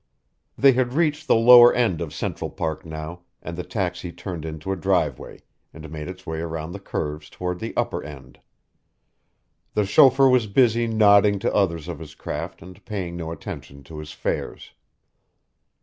They had reached the lower end of Central Park now, and the taxi turned into a driveway, and made its way around the curves toward the upper end. The chauffeur was busy nodding to others of his craft and paying no attention to his fares.